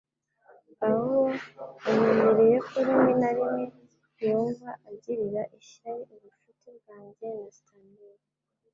Pawulo anyemereye ko rimwe na rimwe yumva agirira ishyari ubucuti bwanjye na Stanley